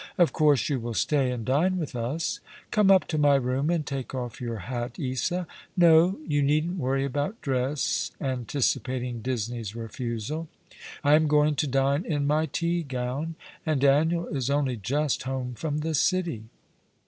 Of course you will stay and dine with us. Come up to my room and take off your hat, Isa. No, you needn't worry about dress," anticipating Disney's refusal ;" we are quite alone. I am going to dine in my tea gown, and Daniel is only just home from the city."